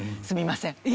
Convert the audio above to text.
すみません。